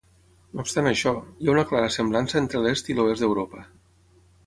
No obstant això, hi ha una clara semblança entre l'est i l'oest d'Europa.